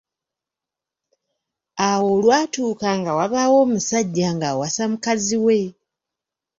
Awo lwatuuka nga wabaawo omusajja ng’awasa mukazi we